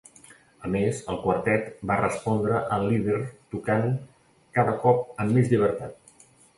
A més, el quartet va respondre al líder tocant cada cop amb més llibertat.